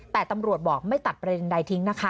แต่ตำรวจบอกไม่ตัดประเด็นใดทิ้งนะคะ